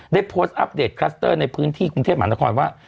ได้โพสต์อัปเดตคลัสเตอร์ในพื้นที่กรุงเทพมหานครว่า